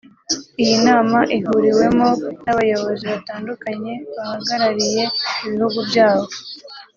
Iyi nama ihuriwemo n'abayobozi batandukanye bahagarariye ibihugu byabo